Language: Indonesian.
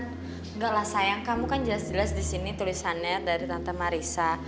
enggak lah sayang kamu kan jelas jelas disini tulisannya dari tante marissa